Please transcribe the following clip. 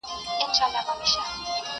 o نور ئې نور، عثمان ته هم غورځېدی.